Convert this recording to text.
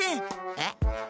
えっ？